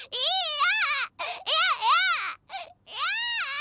嫌！